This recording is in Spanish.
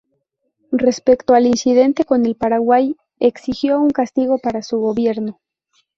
Respecto al incidente con el Paraguay, exigió un castigo para su gobierno.